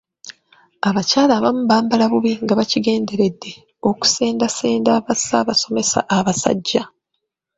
Abakyala abamu bambala bubi nga bakigenderedde okusendasenda ba ssaabasomesa abasajja.